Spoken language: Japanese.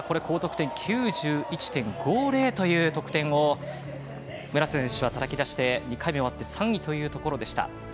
高得点９１．５０という得点を村瀬選手はたたき出して２回目終わって３位というところでした。